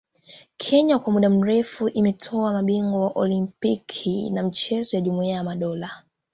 Kenya kwa muda mrefu imetoa mabingwa wa Olimpiki na michezo ya Jumuia ya Madola